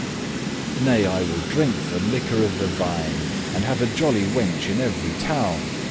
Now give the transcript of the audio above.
*die Nay, I will drink the liquor of the vine, And have a jolly wench in every town.